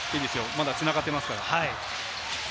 まだ繋がっていますから。